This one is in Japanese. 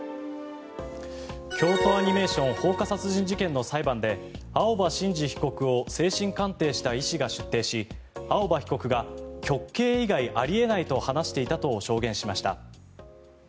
京都アニメーション放火殺人事件の裁判で青葉真司被告を精神鑑定した医師が出廷し青葉被告が極刑以外あり得ないと話していたと証言しました。